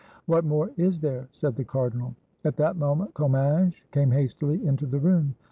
"What more is there?" said the cardinal. At that moment Comminges came hastily into the room.